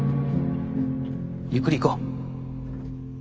ゆっくり行こう。